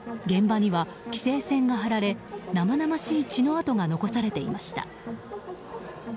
現場には規制線が張られ生々しい血の痕が残されていました。